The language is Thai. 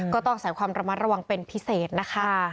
ก็ต้องใส่ความระมัดระวังเป็นพิเศษนะคะ